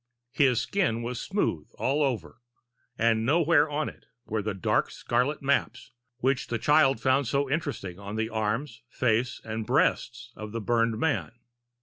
His skin was smooth all over, and nowhere on it were the dark scarlet maps which the child found so interesting on the arms, face, and breast of the burned man.